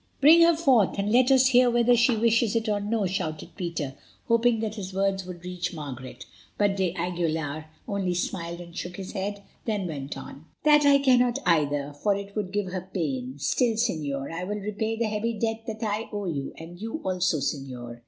"Bring her forth, and let us hear whether she wishes it or no," shouted Peter, hoping that his words would reach Margaret. But d'Aguilar only smiled and shook his head, then went on: "That I cannot either, for it would give her pain. Still, Señor, I will repay the heavy debt that I owe to you, and to you also, Señor."